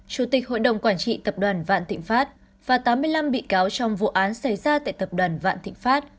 chủ tịch hội đồng quản trị tập đoàn vạn thịnh pháp và tám mươi năm bị cáo trong vụ án xảy ra tại tập đoàn vạn thịnh pháp